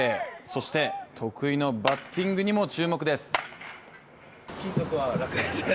そして得意のバッティングにも注目です。